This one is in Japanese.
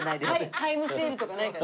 タイムセールとかないから。